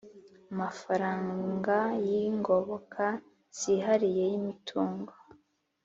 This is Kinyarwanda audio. Amafaranga y’ingoboka zihariye y’imitungo